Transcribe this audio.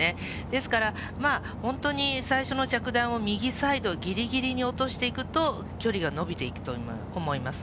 ですから、本当に最初の着弾を右サイドぎりぎりに落としていくと、距離が伸びていくと思います。